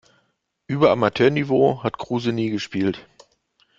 Über Amateurniveau hat Kruse nie gespielt.